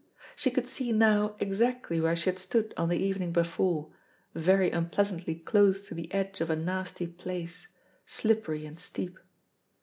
She could see now exactly where she had stood on the evening before, very unpleasantly close to the edge of a nasty place, slippery and steep.